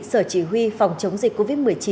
sở chỉ huy phòng chống dịch covid một mươi chín